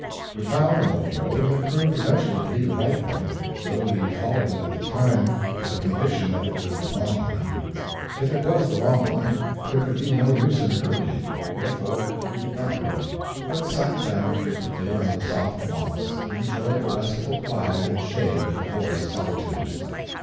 We found an old road, and it proved eventually to be the right one, though we followed it at the time with the conviction that it was the wrong one. If it was the wrong one there could be no use in hurrying; therefore we did not hurry, but sat down frequently on the soft moss and enjoyed the restful quiet and shade of the forest solitudes.